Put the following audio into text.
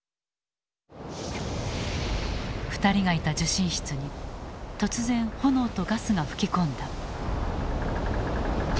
２人がいた受信室に突然炎とガスが吹き込んだ。